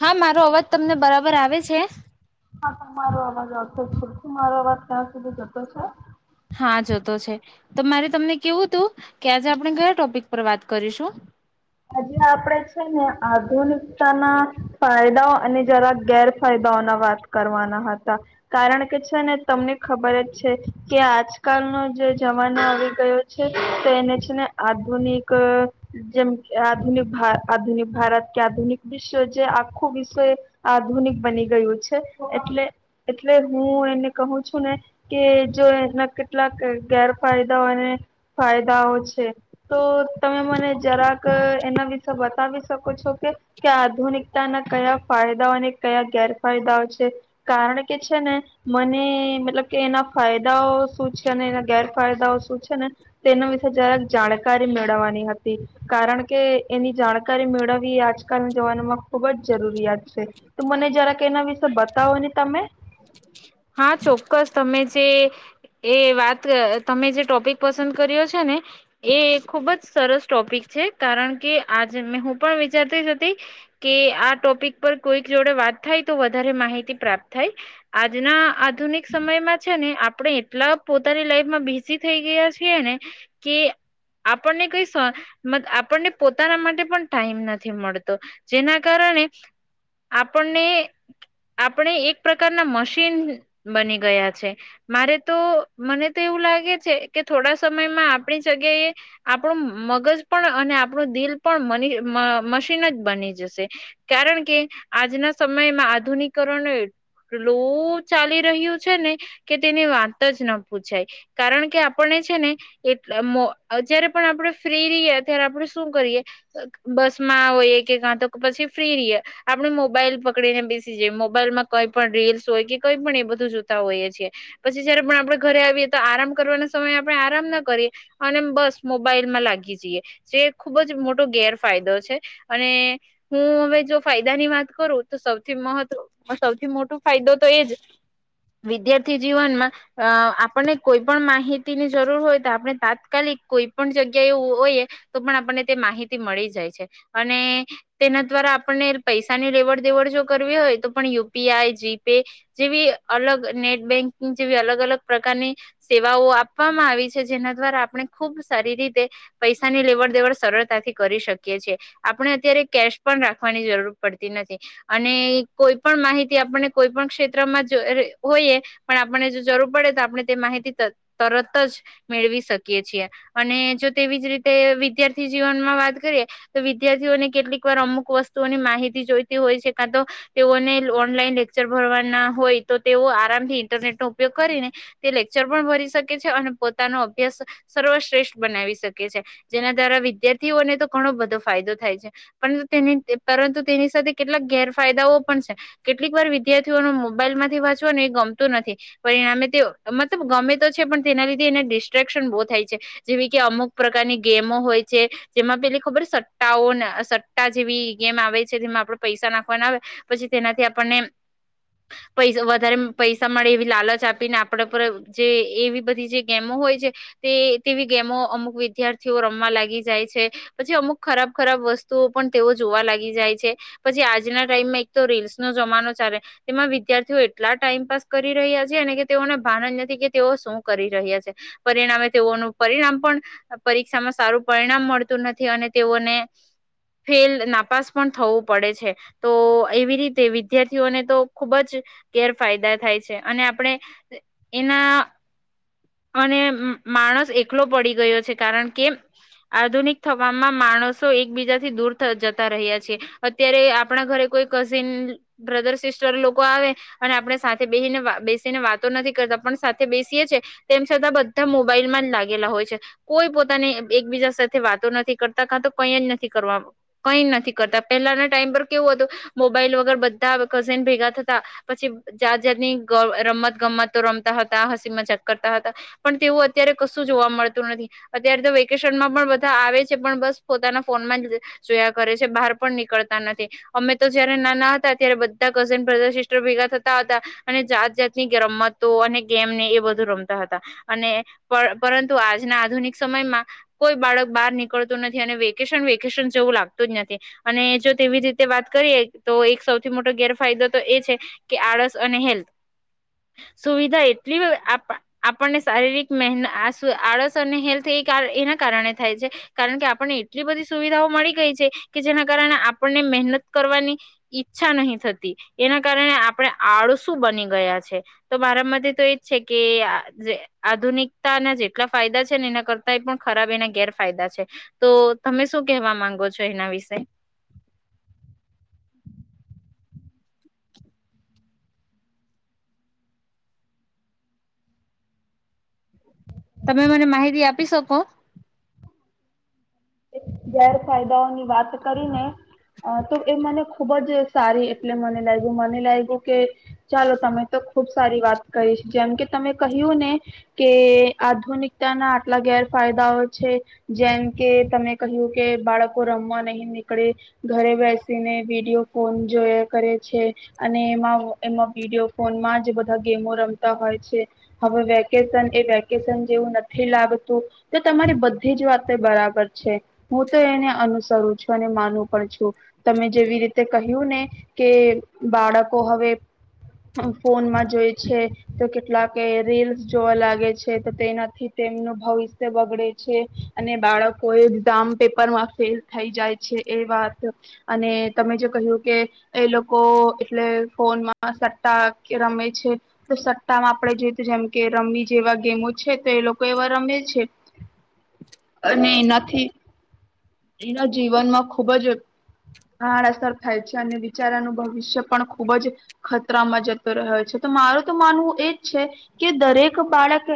હા મારો અવાજ તમને બરાબર આવે છે. હા તમારો અવાજ આવતો છે. શું મારો અવાજ ત્યાં સુધી જતો છે? જતો છે તો મારે તમને કેવું હતું કે આજે આપણે કયા ટોપિક પર વાત કરીશું. આજે આપણે છે ને આધુનિકતાના ફાયદાઓ અને જરાક ગેરફાયદાઓ ના વાત કરવાના હતા કારણ કે છે ને તમને. ખબર જ છે કે આજ. આજ કલનો જે જમાનો આવી ગયો છે તો એને છે ને આધુનિક જેમ. આધુનિક ભા આધુનિક ભારત કે આધુનિક વિશ્વ જે આખું વિશ્વ એ આધુનિક બની ગયું છે એટલે એટલે હું એને કહું છું ને કે જો એના કેટલાક ગેરફાયદાઓ અને ફાયદાઓ છે તો તમે મને જરાક. એના વિશે બતાવી શકો છો કે આધુનિકતાના કયા ફાયદાઓ અને કયા ગેરફાયદાઓ છે કારણ કે છે ને મને મતલબ કે એના ફાયદાઓ. શું છે અને ગેરફાયદા શું પૂછો ને. તેનું વિશે જરાક જાણકારી મેળવવાની હતી. કારણ કે એની જાણકારી મેળવવી એ આજકાલના જવાનોમાં ખુબ જ જરૂરિયાત છે, તો મને જરા કે એના વિશે બતાવો ને તમે. હા ચોક્કસ તમે જે એ વાત તમે જે ટોપિક પસંદ કર્યો છે ને એ ખુબ જ સરસ ટોપિક છે, કારણ કે આજે મેં હું પણ વિચારતી જ હતી કે આ ટોપિક પર કોઈક જોડે વાત થાય તો વધારે માહિતી પ્રાપ્ત થાય. આજના આ આધુનિક સમયમાં છે ને આપ. આપણે એટલા પોતાની લાઈફમાં બિઝી થઈ ગયા છીએ ને કે આપણને કઈ આપણને પોતાના માટે પણ ટાઈમ નથી મળતો જેના કારણે આપણને આપણે એક. પ્રકારના મશીન બની ગયા છે મારે તો મને તો એવું લાગે છે કે થોડા સમયમાં આપણી જગ્યાએ આપણું મગજ પણ અને આપણું દિલ પણ મશીન જ બની જશે કારણ કે આજના સમયમાં આધુનિકિકરણ એ એટલું ચાલી રહ્યું છે ને કે તેની વાત જ ન પૂછાય કારણ કે આપણે છે ને એ જયારે પણ આપણે ફ્રી રહીએ ત્યારે આપણે શું કરીએ બસ માંઈએ કે કાં તો પછી ફ્રી રહીએ આપણે મોબાઈલ પકડીને બેસી જઈએ મોબાઈલમાં. કઈ પણ રીલ્સ હોય કે કંઈ પણ એ બધું જોતા હોઈએ છીએ પછી જયારે પણ આપડે ઘરે આવીએ તો આરામ કરવાના સમયે આપણે આરામ ના કરીએ અને બસ મોબાઈલમાં લાગી જઈએ જે ખુબ જ મોટો ગેરફાયદો છે અને હું હવે જો ફાયદા ની વાત કરું તો સૌથી મહત્વ. સૌથી મોટો ફાયદો તો એ જ વિદ્યાર્થી જીવનમાં અ આપણને કોઈ પણ માહિતીની જરૂર હોય તો આપણે તાત્કાલિક કોઈ પણ જગ્યા એવું હોઈ તો પણ આપણને તે માહિતી મળી જાય છે અને તેના દ્વારા આપણને પૈસાની લેવડ દેવડ જો કરવી હોય તો પણ. પીઆઈ જીપે જેવી અલગ નેટ બેન્કિંગ જેવી અલગ અલગ પ્રકારની સેવાઓ આપવામાં આવી છે જેના દ્વારા આપણે ખૂબ સારી રીતે પૈસાની લેવડ દેવડ સરળતાથી કરી શકીએ છેએ આપણે અત્યારે કેશ પણ રાખવાની જરૂર પડતી નથી અને કોઈ પણ માહિતી. આપણે કોઈ પણ ક્ષેત્રમાં હોઈએ પણ આપણે જો જરૂર પડે તો આપણે તે માહિતી તરત જ મેળવી શકીએ છીએ અને જો તેવી જ રીતે વિદ્યાર્થી જીવનમાં વાત કરીએ તો વિદ્યાર્થીઓને કેટલીક વાર અમુક વસ્તુઓની માહિતી જોઈતી હોય છે કા તો તેઓને લો. ઓનલાઈન લેક્ચર ભરવાના હોય તો તેઓ આરામથી ઇન્ટરનેટ નો ઉપયોગ કરીને તે લેક્ચર પણ ભરી શકે છે અને પોતાનો અભ્યાસ સર્વશ્રેષ્ઠ બનાવી શકે છે જેના દ્વારા વિદ્યાર્થીઓને તો ઘણો બધો ફાયદો થાય છે પરંતુ પરંતુ તેની સાથે કેટલાક ગેરફાયદાઓ પણ છે. કેટલીક વાર વિદ્યાર્થીઓનું મોબાઈલ માંથી વાંચવા ને એ ગમતું નથી પરિણામે તે મતલબ ગમે તો છે પણ તેના લીધે એને ડિસ્ટ્રેક્શન બહુ થાય છે જેવી કે અમુક પ્રકારની ગેમો હોય છે જેમાં પેલી ખબર સટ્ટાઓ સટ્ટા જેવી ગેમ આવે છે જેમાં આપણે પૈસા નાખવાના આવે પછી તેનાથી. આપને પૈ વધારે પૈસા મળે એવી લાલચ આપીને આપડ પર જે એવી બધી જે ગેમો હોય છે તે તેવી ગેમો અમુક વિદ્યાર્થીઓ રમવા લાગી જાય છે પછી અમુક ખરાબ ખરાબ વસ્તુઓ પણ તેઓ જોવા લાગી જાય છે પછી આજના ટાઈમમાં એક તો રીલ્સ. નો જમાનો ચાલે તેમાં વિદ્યાર્થીઓ એટલા ટાઈમપાસ કરી રહ્યા છે અને કે તેઓને ભાન જ નથી કે તેઓ શું કરી રહ્યા છે પરિણામે તેઓનું પરિણામ પણ પરીક્ષામાં સારું પરિણામ મળતું નથી અને તેઓને ફેલ નાપાસ પણ થવું પડે છે તો એવી રી. તે વિદ્યાર્થીઓને તો ખૂબ જ ગેરફાયદા થાય છે અને આપણે એના. અને માણસ એકલો પડી ગયો છે કારણ કે આધુનિક થવામાં માણસો એકબીજાથી દૂર જતા રહ્યા છેી અત્યારે આપણા ઘરે કોઈ કઝિન બ્રધર સિસ્ટર લોકો આવે અને આપણે સાથે બેસીને બેસીને વાતો નથી કરતા પણ સાથે બેસીએ છે. તેમ છતાં બધા મોબાઈલમાં જ લાગેલા હોય છે કોઈ પોતાની એકબીજા સાથે વાતો નથી કરતા કા તો કઈ જ નથી કરવા કઈ નથી કરતા પહેલાના ટાઈમ પર કેવું હતું મોબાઈલ વગર બધા કઝિન ભેગા થતા પછી જાત જાતની રમત ગમતો રમતા હતા હસી મજાક. પણ તેવું અત્યારે કશું જોવા મળતું નથી અત્યારે તો વેકેશનમાં પણ બધા આવે છે પણ બસ પોતાના ફોન માં જ જોયા કરે છે બહાર પણ નીકળતા નથી અમે તો જયારે નાના હતા ત્યારે બધા કઝન બ્રધર સિસ્ટર ભેગા થતા હતા અને જાત જાતની રમતો અને ગેમ ને એ. પરંતુ આજના આધુનિક સમયમાં કોઈ બાળક બહાર નીકળતું નથી અને વેકેશન વેકેશન જેવું લાગતું જ નથી અને જો તેવી રીતે વાત કરીએ તો એક સૌથી મોટો ગેરફાયદો તો એ છે કે આળસ અને હેલ્થ સુવિધા એટલી. આપણને શારીરિક મન આ આળસ અને હેલ્થ એ એના કારણે થાય છે કારણ કે આપણને એટલી બધી સુવિધાઓ મળી ગઈ છે કે જેના કારણે આપણને મહેનત કરવાની ઈચ્છા નહી થતી એના કારણે આપણે આળસુ બની ગયા છે તો મારામાંથી તો એજ છે. કે આ જે આધુનિકતાના જેટલા ફાયદા છે ને એના કરતા એ પણ ખરાબ એના ગેરફાયદા છે તો તમે શું કહેવા માંગો છો એના વિશે. તમે મને માહિતી આપી શકો. ગેરફાયદાઓની વાત કરી ને અ તો એ મને ખુબ જ સારી એટલે મને લાગ્યું મને લાગ્યું કે ચાલો તમે તો ખુબ સારી વાત કરીહીશ જેમ કે તમે. કહ્યું ને કે આધુનિકતા ના આટલા ગેરફાયદાઓ છે જેમ કે તમે. કહ્યું કે બાળકો રમવા નહી નીકળે ઘરે બેસીને વિડિયો ફોન જો કરે છે અને એમાં એમાં વિડીયો ફોનમાં જ બધા ગેમો રમતા હોય છે હવે વેકેશન એ વેકેશન જેવું નથી લાગતું તો તમારી બધી જ વાતે બરાબર છે. હું તો એને અનુસરું છું અને માનું પણ છું. તમે જેવી રીતે કહી. કહ્યું ને કે બાળકો હવે ફોનમાં જોય છે તો કેટલાક રીલ્સ જોવા લાગે છે તો તેનાથી તેમનું ભવિષ્ય બગડે છે અને બાળકો એ. એક્ષામ પેપરમાં ફેલ થઈ જાય છે એ વાત અને તમે જે કહ્યું કે એ લોકો એટલે ફોનમાં સટ્ટા રમે છે તો સટ્ટામાં આપણે જોઈતું જેમ કે રમી જેવા ગેમો છે તો એ લોકો એવા રમે છે. નહી ના. ઠી. એના જીવનમાં ખુબ જ આડઅસર થાય છે અને બિચારાનું ભવિષ્ય પણ ખૂબ જ ખતરામાં જતો રહ્યો છે તો મારું તો માનવું એજ છે કે દરેક બાળક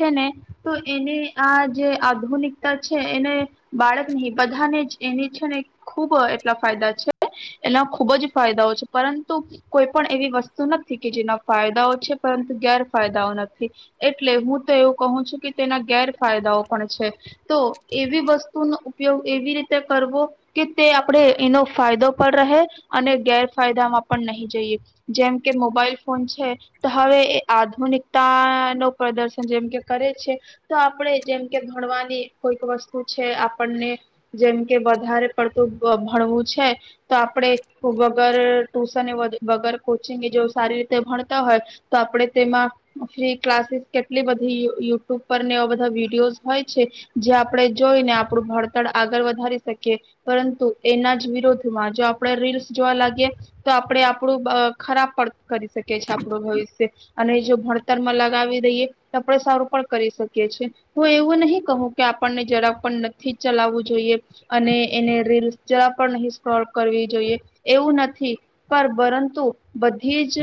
છે ને તો એની આ જે આધુનિકતા છે એને. બાળક નહી બધાને એની છે ને ખૂબ એટલા ફાયદા છે એના ખૂબ જ ફાયદાઓ છે પરંતુ કોઈ પણ એવી વસ્તુ નથી કે જેના ફાયદાઓ છે પરંતુ ગેરફાયદાઓ નથી એટલે હું તો એવું કહું છું કે તેના ગેરફાયદાઓ પણ છે તો એવી વસ્તુ. ત ન ઉપયોગ એવી રીતે કરવો કે તે આપણે એનો ફાયદો પણ રહે અને ગેરફાયદામાં પણ નહી જઈએ જેમ કે મોબાઈલ ફોન છે તો હવે એ આધુનિકતા નો પ્રદર્શન જેમકે કરે છે તો આપણે જેમ કે ભણવાની કોઈક વસ્તુ છે. આપને જેમ કે વધારે પડતું ભણવું છે તો આપણે વગર ટુશન વગર કોચિંગ જો સારી રીતે ભણતા હોય તો આપણે તેમાં ફ્રી ક્લાસીસ કેટલી બધી યુટ્યુબ પરને બધ વિડીયો હોય છે જે આપણે. જોઈને આપણું ભડતર આગળ વધારી શકીએ પરંતુ એના જ વિરોધમાં જો આપણે રીલ્સ જોવા લાગીએ. તો આપડે આપણું ખરાબ પડ કરી શકીએ આપણું ભવિષ્ય. અને જો ભણતરમાં લગાવી દઈએ તો આપણેે સારું પણ કરી શકીએ છીએ હું એવું નહી કહું કે આપણને જરા. [unintelligible] થી ચલાવવું જોઈએ અને એને રીલ્સ. જરા પણ નહી સ્ક્રોલ કરવી જોઈએ એવું નથી પણ પરંતુ બધી જ.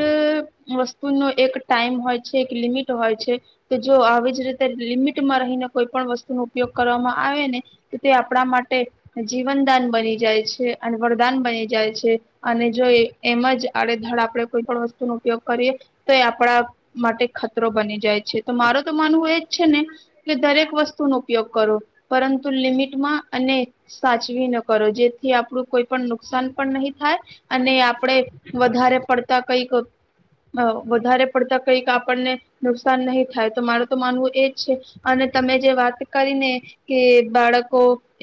વસ્તુ નો એક ટાઈમ. હોય છે એક લિમિટ હોય છે તો જો આવી જ રીતે લિમિટમાં રહીને કોઈ પણ વસ્તુ ન ઉપયોગ કરવામાં. આવેને તો તે આપણા માટે જીવનદાન બની જાય છે અને વરદાન બની જાય છે અને જો એમ જ આડેધડ આપણેે કોઈ પણ વસ્તુનો ઉપયોગ કરીએ તો એ આપણા માટે ખતરો બની જાય છે તો માર તો માનવું એજ છે ને કે દરેક વસ્તુનો ઉપયોગ કરો. પરંતુ લિમિટમાં અને સાચવી ન કરો જેથી આપણું કોઈ પણ નુકસાન પણ નહીં થાય અને આપણે. વધારે પડતા. કઈક વધારે પડતા કઈક આપણને નુકસાન નહી થાય તો મારે તો માનવું એજ છે અને તમે જે વાત કરીને. કે બાળકો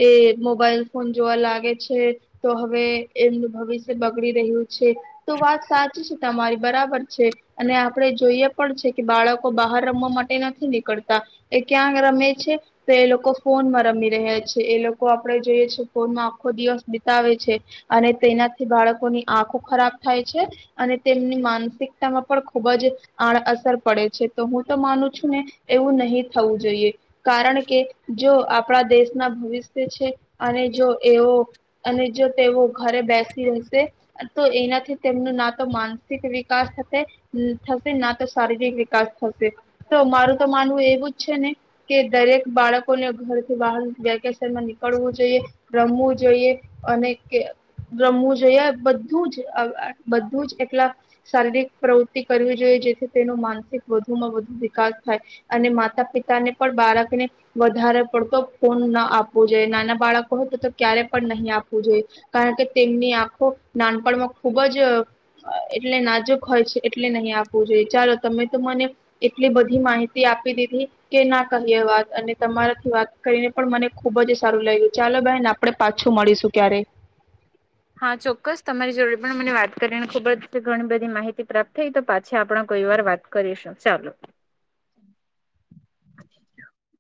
એ મોબાઈલ ફોન જોવા લાગે છે તો હવે એમનું ભવિષ્ય બગડી રહ્યું. તો વાત સાત. તમારી બરાબર છે. અને આપડે જોઈએ. પણ છે કે બાળકો બહાર રમવા માટે નથી નીકળતા એ ક્યાં રમે છે તો એ લોકો. ફોનમાં રમી રહ્યા છે એ લોકો આપણે જોઈએ છ છે ફોનમાં આખો દિવસ બીતાવે છે અને તેનાથી બાળકોની આંખો ખરાબ થાય છે અને તેમની માનસિકતામાં પણ ખૂબ જ. આડ અસર પડે છે તો હું તો માનું છું ને એવું નહીિ થવું જોઈએ કારણ કે. કે. જો આપણા દેશના ભવિષ્ય છે અને જો એઓ અને જો તેઓ ઘરે બેસી રહેશે તો એનાથી તેમનું ના તો માનસિક વિકાસ થશે થશે ના તો. શારીરિક વિકાસ થશે તો મારું. તો માનવું એવું જ છે ને કે દરેક બાળક. લોકોને ઘરથી બહાર. માં નીકળવું જોઈએ રમવું. જોઈએ અને રમવું જોઈએ બધું જ બધું જ એટલા શારીરિક પ્રવૃતિ કરવી જોઈએ જેથી તેનો માનસિક વધુમાં વધુ વિકાસ થાય અને માતા પિતાને પણ બાળકને. વધારે પડતો ફોન ના આપવો જોઈએ નાના બાળકો હોય તો. ક્યારે પણ નહીં આપવું જોઈએ. કારણ કે તેમની આંખો નાનપણમાં ખુબ જ અ એટલે નાજુક હોય છે એટલે નહીં આપવું જોઈએ ચાલો તમે તો મને એટલી બધી માહિતી આપી દીધી કે ના કહીએ વાત અને તમારાથી વાત કરીને પણ મને ખુબ જ સારું લાગ્યું ચાલો બહેન આપણેે પાછું મળીશું ક્યારે. હા ચોક્કસ તમારી જોડે પણ મને વાત કરીને ખુબ જ ઘણી બધી માહિતી પ્રાપ્ત થઈ તો પાછી આપણે કોઈ વાર વાત કરીશું ચાલો. [inaudible]